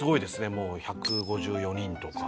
もう１５４人とか。